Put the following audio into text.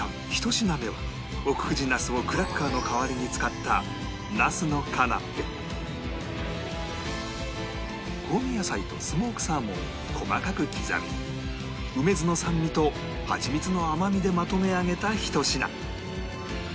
１品目は奥久慈なすをクラッカーの代わりに使った香味野菜とスモークサーモンを細かく刻み梅酢の酸味とハチミツの甘みでまとめ上げたひと品